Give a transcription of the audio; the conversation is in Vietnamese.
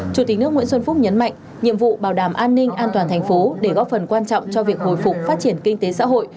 chủ tịch nước nguyễn xuân phúc nhấn mạnh nhiệm vụ bảo đảm an ninh an toàn thành phố để góp phần quan trọng cho việc hồi phục phát triển kinh tế xã hội